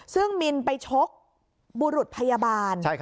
ซึ่งมินไปชกบุรุษพยาบาล